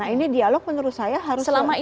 ini dialog menurut saya harus segera dimulai